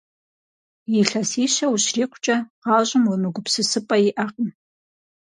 Илъэсищэ ущрикъукӀэ, гъащӀэм уемыгупсысыпӀэ иӀэкъым.